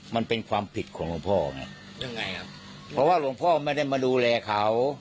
มันเป็นความผิดของหลวงพ่อไงยังไงครับเพราะว่าหลวงพ่อไม่ได้มาดูแลเขา